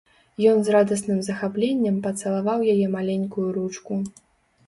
Ён з радасным захапленнем пацалаваў яе маленькую ручку.